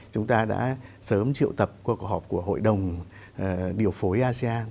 chúng ta đã sớm triệu tập qua cuộc họp của hội đồng điều phối asean